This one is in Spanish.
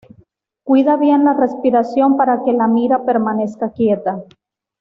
Cuida bien la respiración para que la mira permanezca quieta.